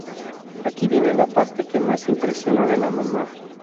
Aquí viene la parte que más impresiona de la mamá.